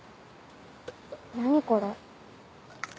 何これ。